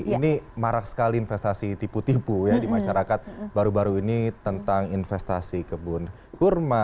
ini marak sekali investasi tipu tipu ya di masyarakat baru baru ini tentang investasi kebun kurma